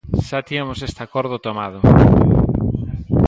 Xa tiñamos este acordo tomado.